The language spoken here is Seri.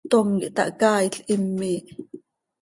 Tom quih tahcaail, him miih.